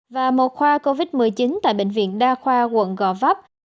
và một khoa covid một mươi chín tại bệnh viện đa khoa quận gò vấp